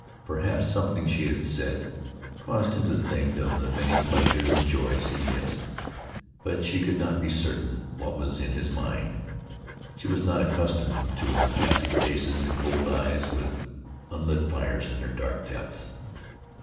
Perhaps something she had said caused him to think of the many pleasures and joys he missed. But she could not be certain what was in his mind. She was not accustomed to impassive faces and cold eyes with unlit fires in their dark depths.